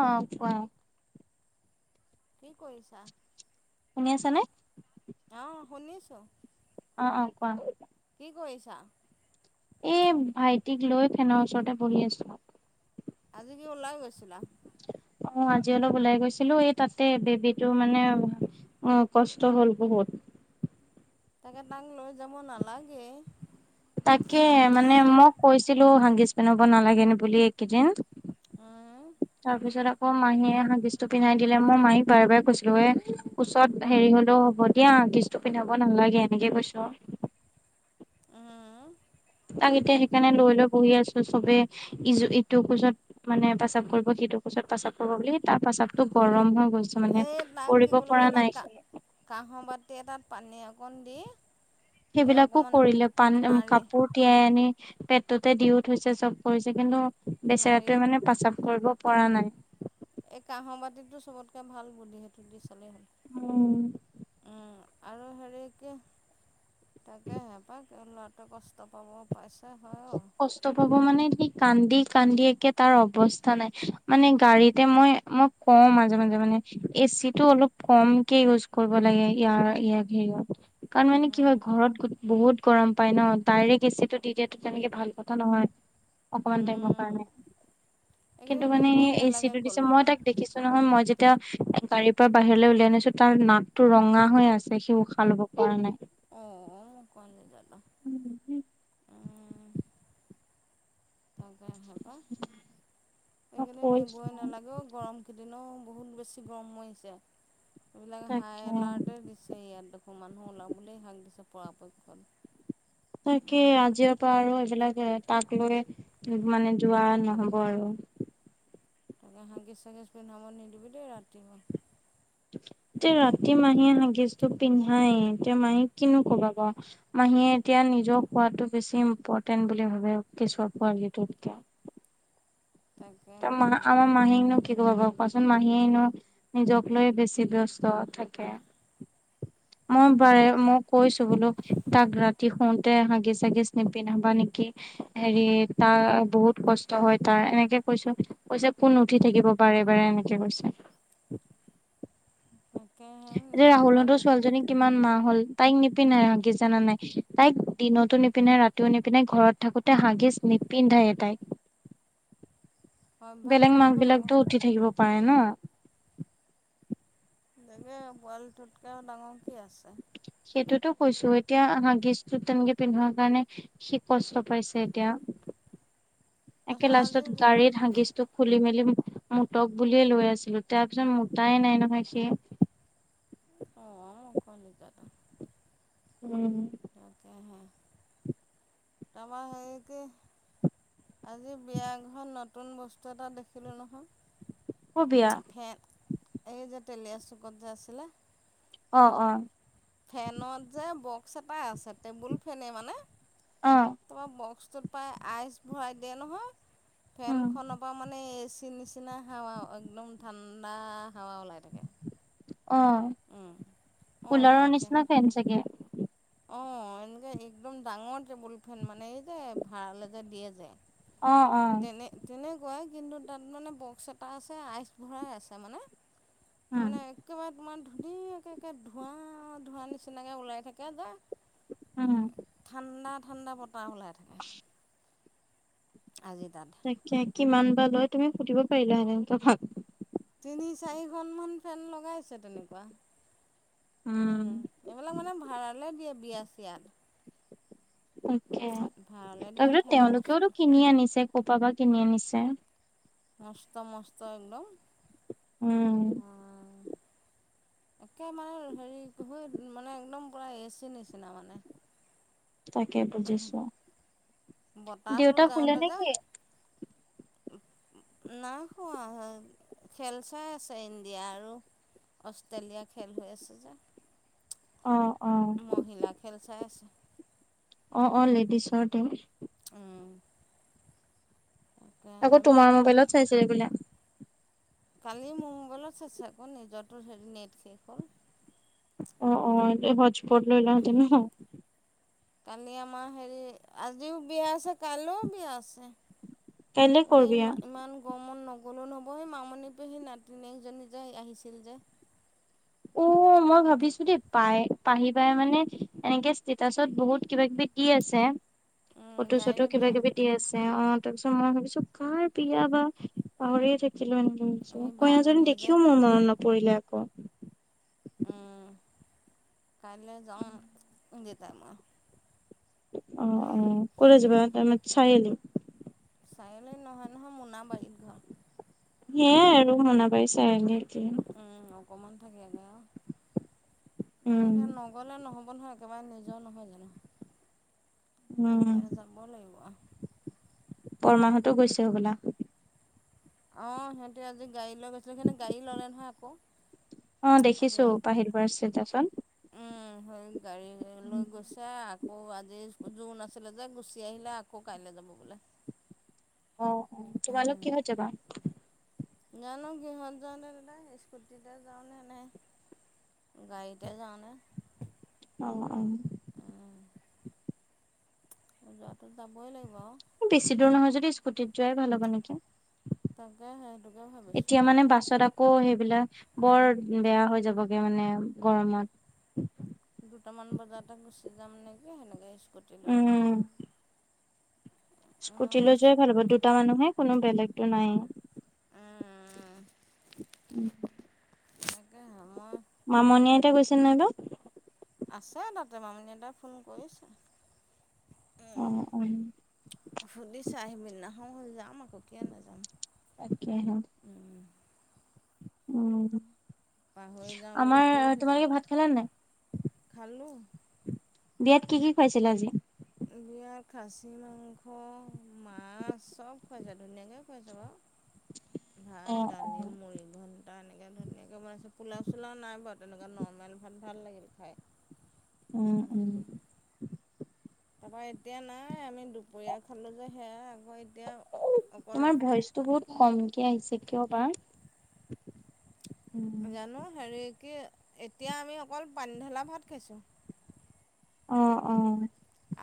অ কোৱা। কি কৰিছা? শুনি আছা নে? অ শুনিছোঁ। অ অ কোৱা। কি কৰিছা? এই ভাইটিক লৈ ফেনৰ ওচৰতে বহি আছো। আজি কি ওলাই গৈছিলা? অ আজি অলপ ওলাই গৈছিলো এই তাতে বেবীটো মানে অ কষ্ট হ'ল বহুত তাকে দাংলো যাম ন লাগে তাকে মানে মই কৈছিলো হাগিছ পিন্ধাব নালাগে বুলি এইকেইদিন উম, তাৰপিছত ম মাহীয়ে হাগিজটো পিন্ধাই দিলে মোৰ মাহী বাৰে বাৰে কৈছিলো এ ওচৰত হেৰি হলেও হ'ব দিয়া হাগিছটো পিন্ধাব নালাগে এনেকে কৈছো [inaudible] উম। তাক এতিয়া সেইকাৰণে লৈ লৈ বহি আছো চবে ই ইটো খোজত মানে বচাব কৰিব সিটো খোজত প্ৰাচাব কৰিব বুলি তাৰ প্ৰসাবতটো গৰম হ গৈছো মানে এই তাক কি কৰিব কৰিলোঁ পৰা জানা নাই কা কাঁহৰ বাতি এটাত পানী অকণ দি এই সেইবিলাকো অকণমান কৰিলে পান নাৰি কাপোৰ তিয়াই আনি পেটতে দিও থৈছে চব কৰিছে কিন্তু বেচেৰাটোৱে নাৰিটোত মানে প্ৰস্ৰাৱ কৰিব পৰা নাই। এই কাঁহৰ বাতিটো চবতকে ভাল বুদ্ধি সত দি চলে হ উম। আৰু সেৰিক তাকে হেঁপাহ ক লৰাটো কষ্ট পাব পাইছা কষ্ট পাব মানে সি কান্দি কান্দি একে তাৰ অৱস্থা নাই মানে গাড়ীতে মই মই কওঁ মাজে মাজে মানে এচি টো অলপ কমকে ইউজ কৰিব লাগে ইয়াৰ ইয়াক হেৰিয়ত কাৰণ মানে কি উম, হয় ঘৰত গ বহুত গৰম পায় ন ডাইৰেক্ট এচিটো দি দিয় তেনেকে ভাল কথা নহয় অকমান টাইমৰ উম। কাৰণে কিন্তু এইকেইদিন মানে নিবই এচি নালাগে টো দিছে মই ক'লৈকো। তাক দেখিছো নহয় মই যে এতিয়া গাড়ীৰ পৰা বাহিৰলৈ উলাই আনিছো তাৰ নাকতটো ৰঙা হৈ আছে সি উশাহ লব পৰা নাই [inaudible] মই তাকে সেপ এইকেইদিন কৈছো নিবই নালাগেও গৰমকেইদিনো বহুত বেছি গৰম হৈছে। এইবিলাক হাই তাকে এলাৰ্টেই দিছে ইয়াত দেখোন মানুহ ওলাবলৈ শাক দিছে পৰাপক্ষত তাকে আজিৰ পৰা আৰু এইবিলাক এ তাক লৈ মানে যোৱা নহব আৰু তাকে হাঁগেছ চাগেচ প নামাৰ নিদিবি দেই ৰাতি মা তে ৰাতি মাহীয়ে হাগিছটো পিন্ধাই তে মাহীক কিনো কবা কৌ ম হিয়ে এতিয়া নিজক খোৱাতটো বেছি ইম্পৰ্টেন্ট বুলি ভাবে কেশৰ পোৱালীটোতকে [inaudible] ত ম তাকেহে পাই আমাৰ মাহি নো কি কব পোৱাচোন মাহীয়েনো নিজক লৈ বেছি ব্যস্ত থাকে। মই বাৰে মই কৈছো বোলো তাক ৰাতি শুওতে হাগিছ চাগি নিপিন্ধবা নেকি? হেৰি তাৰ বহুত কষ্ট হয় তাৰ এনেকে কৈছো কৈছে কোন উঠি থাকিব। বাৰে বাৰে এনেকে গৈছে। [inaudible] তাকেহে এতিয়া নিজৰ ৰাহুল হতৰ পোৱালিটোত ছোৱালীজনী কিমান মাহ হল। তাইক নিপিধাই হাগিছ জাননা নাই তাইক দিনতো নিপিন্ধেনে ৰাতিও নিপিন্ধাই ঘৰত থাকোতে হাগিছ পিন্ধাই তাই [inaudible] অভ্যাস বেলেগ মাক কৰিব লাগিব বিলাকতো উঠি থাকিব পাৰে ন জাগে পোৱালিটোতকে ডাঙৰ কি আছে? এইটোতো কৈছো এতিয়া হ গিজটো তেনেকে পিন্ধোৱাৰ কাৰণে সি কষ্ট পাইছে এতিয়া [inaudible] একে তাৰপিছত আজি লাষ্টত গাড়ী হাগিচটো খুলি মেলি মোটক বুলিয়ে লৈ আছিলো তাৰপিছত মোটাই নাই নহয় সি অ কালিতা দা উম। তকেহে তাপা হেৰি কি আজি বিয়া ঘৰত নতুন বস্তু এটা দেখিলোঁ নহয় কৰ বিয়া ফেন এই যে তেলীয়া চুকত যে আছিলে অ অ ফেনত যে বক্স এটা আছে টেবুল ফেনে মানে অ তোমাৰ বক্স আইচ ভৰাই দিয়ে নহয় উম ফেনখনৰ পৰা মানে এ চি চি নিচিনা হাৱা একদম ঠাণ্ডা হাৱা ওলাই থাকে। অ অঁ কুলাৰৰ নিচিনা ফেন চাগে। অ এনেকে একদম ডাঙৰ টেবুল ফেন মানে এই যে ভাড়ালৈ যে দিয়ে যে অ অ তেনে তেনেকুৱাই কিন্তু তাত মানে বক্স এটা আছে আইচ ভৰাই আছে মানে উম তাৰমানে একেবাৰে তোমাৰ ধুনীয় একে একে ধোৱা ধোৱা নিচিনাকে ওলাই থাকে যে উম ঠাণ্ডা ঠাণ্ডা বতাহ ওলাই থাকে [unintelligible] আজি তাত তাকে কিমান বা লয় তুমি সুধিব পাৰিলা সেনেতেন কবাক তিনি চাৰিখনমান ফেন লগাইছে তেনেকুৱা উম এইবিলাক মানে ভাড়ালৈ দিয়ে বিয়া চিয়াত। তাকে ভাড়ালৈ দিয়া তাৰপিছ ফেন মস্ত তেওঁলোকেওতো কিনি আনিছে কপাবা কিনি আনিছে। মস্ত মস্ত একদম উম [inaudible] একে মানে হেৰি মানে একদম পূৰা এচি নিচিনা মানে তাকে বুজিছো দেউতা হুলে নেকি উম না খোৱা খেল চাই আছে ইণ্ডিয়া আৰু অষ্ট্ৰেলিয়া খেল হৈ আছে যে অ অ মহিলা খেল চাই আছে অ অ লেডিছৰ ট্ৰিম উম আকৌ তোমাৰ মোবাইলত চাইচে ৰেগুলা কালি মোৰ মোবাইলত চাইজ আকৌ নিজ টো হেৰি নেট শেষ হ'ল অ অ এ হস্পুত লৈ লও যে ন কালি আমাৰ হেৰি আজিও বিয়া আছে কাইলৈও বিয়া আছে কাইলে এ কৰবি আও ইমা ইমান গৰমত ন গ'লো নহব সেই মামণি পেহী নাতিনীকজনী যে আহিছিল যে উ মই ভাবিছো দেই পাই পাহিবাই মানে এনেকে ষ্টেটাচত বহুত কিবা কিবি দি আছে ফটো চটো তাইৰে কিবা বিয়া কিবি দি আছে অ তাৰপিছত মই ভাবিছো কাৰ বিয়া বা পাহৰিয়ে থাকিচো তিলন দি আহিছো সেই কইনাজনী বাজনী যে দেখিও মোৰ মনত নপৰিলে আকৌ কাইলৈ যাওঁ যেটাই মই অ অ কলে যাবা তাৰ মানে চাৰি আলি চাৰিআলি নহয় নহয় মোনাবাৰীত ঘৰ সেয়াই আৰু শুনা পাইছ গে অকমান থাকে গে আউ থাকে উম এতিয়া নগলেওঁ নহব ব নহয় একেবাৰে নিজৰ নহয় জানো উম তাপা যাব লাগিব আৰু বৰমা হটো গৈছে হ'বলা অ সিহঁতে আজি গাড়ী লৈ গৈছিলো সিহতে গাড়ী ল'লে নহয় আকৌ অ দেখিছো আজি বাহিৰ বছিল তাচোন স গাড়ী লৈ গৈছে আকৌ আজি জোৰোন আছিলে যে গুচি আহিলে আকৌ কাইলৈ যাব ল [unintelligible] অ অ তোমালোক কিহত যাবা জানো কিহত যানে দাদা স্কুটিতে যাওঁনে নাই গাড়ীতে যাওনে আহ অ যোৱাতো যাবই লাগিব আৰু বেছি দূৰ নহয় যদি স্কুটিত যোৱাই ভাল হ'বা নেকি তাকে সেইটোকে ভাবিছো আমি বিলাক বৰ বেয়া হৈ যাবগে মানে গৰমত দুটামান বজাতে গুচি যাম নেকি সেনেকৈ স্কুটি লৈ উম স্কুটি নহ'লে লৈ যোৱাই ভাল হ'ব দুটা মানুহে কোনো বেলেগতটো নাই উম [inaudible] চেন্নাইলৈ আছে তাতে মামিনী এটাই ফোন কৰিছে অ উম অ সুধি চা আহিবি নহয় হল যাম আ সকিয় নাযাম তাকেহে উম পাহৰি যাওঁ বুলি আমাৰ কৈ থৈছো তোমালোকে ভাত খালা নাই খালো বিয়াত কি কি খুৱাইছিলে আজি বিয়া তাৰ খাছী মাংস মাছ চব খুৱাইছে ধুনীয়াকে খুৱাইছে বাৰু অ ভাত অ দালি মুৰি ঘণ্টা এনে তেনেকৈ ধুনীয়াকৈ বনাইছো পোলাও চোলাও নাই বাৰু তেনেকুৱা নৰ্মেল ভাত ভাল লাগিল খাই উম উম তাৰাপা এতিয়া নাই আমি দুপৰীয়া খালো যে সেয়া এতিয়া অকল তোমাৰ ভইচটো বহুত কমকে আহিছে কিয়বা [unintelligible] জানো হেৰি কি এতিয়া আমি অকল পানীঢলা ভাত খাইছোঁ অ অ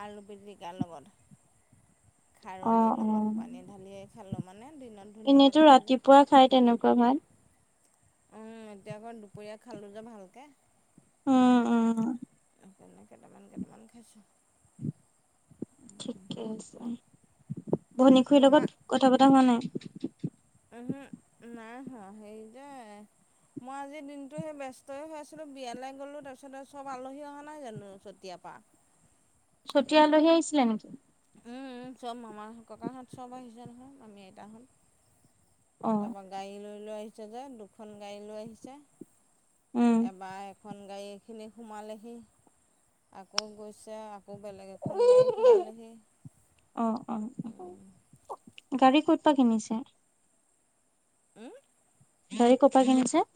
আলু পিটিকাৰ লগত অ খাৰলিৰ লগত পানী ঢালিয়ে খালোঁ মানে দিনত ধুনীয়াকৈ এনেইতো খালোঁ যে ৰাতিপুৱা খাই তেনেকুৱা ভাল উম এতিয়া আকৌ দুপৰীয়া খালটো যে ভালকে অ অ সেইকাৰণে কেইটামান কেইটামান খাইছো ঠিকে আছে ভনীখুৰীৰ মহা লগত কথা পতা হোৱা নাই উ নাই হোৱা সেই যায় মই আজিৰ দিনটোো সেই ব্যস্তই হৈ আছিলো বিয়ালৈ গলো তাৰপিছত চব আলহী অহা নাই জানো চতিয়াৰ পৰাা [inaudible] চট আলহী আহিছিলে নেকি চব আমাৰ ককাহঁত চব আহিছে নহয় আমি আইতাহঁত অ তাৰপা গাড়ী লৈ লৈ আহিছে যে দুখন গাড়ী লৈ আহিছে উম এবাৰ এখন গাড়ীখিনি সোমালেহি আকৌ গৈছে আকৌ বেলেগ এখন গাড়ী সোমালেহি অ ফুটপা কিনিছে উম তৰি ক'পা কিনিছে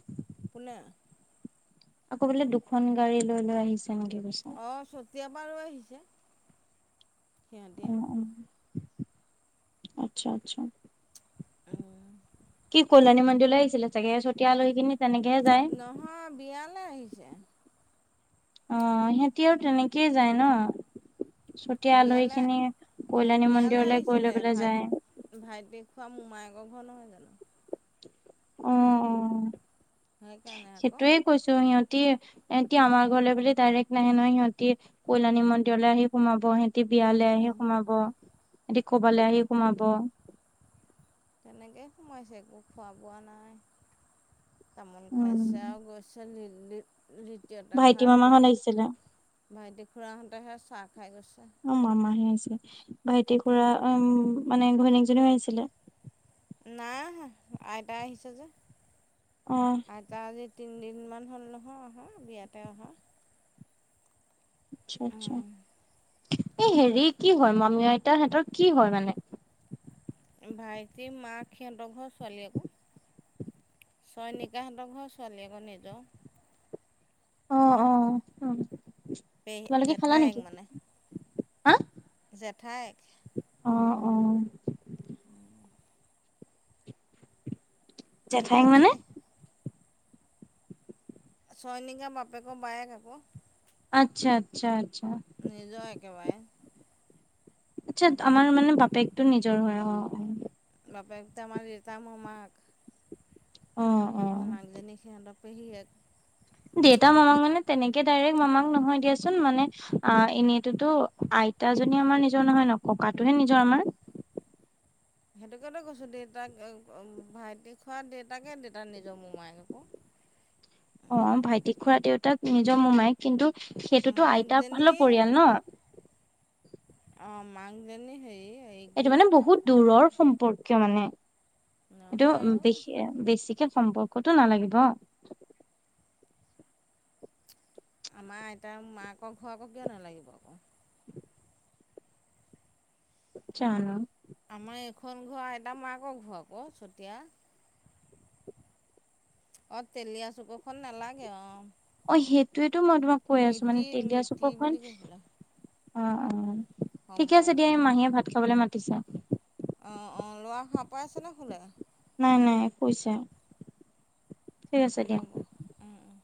পুনে আকৌ বোলে দুখন গাড়ী লৈ লৈ আহিছে নেকি কৈছা তিয়াবাৰৈ আহিছে [unintelligible] উ উ আচ্ছা আচ্ছা কি কল্যানি মন্দিৰলৈ আহিছিলে চাগে চতিয়া আলহী খিনি তেনেকেহে যায় নহয় বিয়ালে আহিছে অ সিহঁতিও তেনেকেই যায় ন চতিয়া আলহী বিয়ালৈ খিনি কল্যাণী বিয়ালৈ মন্দিৰলৈ গৈ আহিছিলে লৈ পেলাই ভাইট যায় ভাইটি খোৱা মোমায়েকৰ ঘৰ নহয় জানো অ অ সেইকাৰণে আকৌ সেইটোৱে কৈছো সিহঁত এতি এহতি আমাৰ ঘৰলৈ বুলি ডাইৰেক্ট নাহে নহয় সিহঁতি কল্যাণী মন্দিৰলৈ আহি সোমাব সিহতি বিয়ালৈ আহি সোমাব সিহতি কবালৈ আহি সোমাব তেনেকেই সোমাইছে একো খোৱা বোৱা নাই তামোল উম খাইছ আৰু গৈছ [unintelligible] দ্বিতীয়তা ভাইটি আহা মামাহঁত ভাইটিক আহিছিলে ভাইটিক খুৰা হঁতে হে চাক অ মামাহে হৈছে ভাইটি খুৰা উ মানে ঘৈণীকজনীও আহিছিলে নাই আইতা আহিছে যে অ আইতা আজি তিনিদিনমান হ'ল নহয় অহা বিয়াতে অহা আচ্ছা আচ্ছা এ হেৰি কি হয় মামি আইতা সতৰ কি হয় মানে ভাইটি মা সিহঁতৰ ঘৰ ছোৱালী আকৌ ছয়নিকাহঁতৰ ঘৰ ছোৱালী আকৌ নিজৰ অ অ অ পে জেঠায়েক মানে হা জেঠাইক অ অ জেঠাই সেইকাৰণে মানে ছয়নিকা বাপে ক বায়েক আক আচ্ছা আচ্ছা আচ্ছা নিজৰ একেবাৰে আচ্ছা আমাৰ মানে বাপেকটো নিজৰ হয় অ বাপেকটো আমাৰ দেতাৰ মোমাই ক অ অ অ মাকজনী সিহঁতৰ পেহি এক দেতা মামাক মানে তেনেকে দাৰেক মামাক নহয় দিয়াচোন মানে এনেই টো ত তাজনী আমাৰ নিজৰ নহয় ন ককাটোহে নিজৰ আমাৰ [unintelligible] [inaudible] সেইটোকেতো কৈছো দেউতাক ভাইটি খোৱা দেউতাকে দেউতাৰ নিজৰ মো মায় আকৌ [unintelligible] [unintelligible] [inaudible] অ ভাইটিক খুৰা দেউতাক নিজৰ মোমাই কিন্তু সেইটোতো আইতা মাকজনী ভালৰ পৰিয়াল ন অ মাকজনী হেই এইটো মানে বহুত দূৰৰ সম্পৰ্কীয় মানে নহয় এইটো অ' বে বেছিক সম্পৰ্কটো নালাগিব আমাৰ আইতাৰ মাকৰ ঘ আকৌ কিয় নালাগিব আকৌ জানো আমাৰ এইখন ঘৰ আইতা মাকৰ ঘৰ আকৌ চতিয়া অ তেলি আছো কখন নালাগে অ অ সেইটোয়েতো মই তোমাক কৈ আছো মানে মিতিৰ তেলীয়া মিতিৰ চুকখন বুলি কৈ পেলাই অ অ ঠিকে আছে সম্পৰ্ক দিয়া মাহীয়ে ভাত খাবলৈ মাতিছে অঁ অঁ ল'ৰা সাৰ পাই আছেনে শুলে নাই নাই শুই ছে হ'ব উম উম।